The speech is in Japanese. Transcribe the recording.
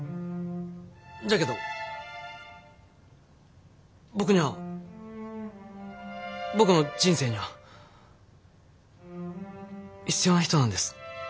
じゃけど僕には僕の人生には必要な人なんです。